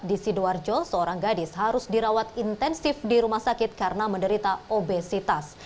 di sidoarjo seorang gadis harus dirawat intensif di rumah sakit karena menderita obesitas